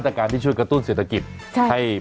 ตั้งแต่วันที่๑กรกฎาคมถึง๓๑ธันวาคมไปนี้นั่นเองครับ